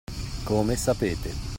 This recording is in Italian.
Come sapete.